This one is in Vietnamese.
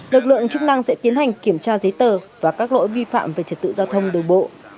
lực lượng chức năng sẽ tiến hành kiểm tra giấy tờ và các lỗi vi phạm về trật tự giao thông đường bộ